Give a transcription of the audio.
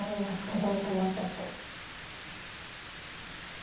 ここに泊まったって。